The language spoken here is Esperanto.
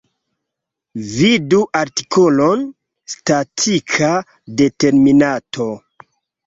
Vidu artikolon: statika determinanto.